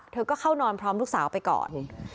เธอก็เข้านอนพร้อมลูกสาวไปก่อน